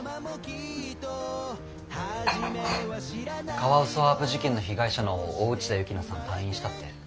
カワウソワープ事件の被害者の大内田幸那さん退院したって。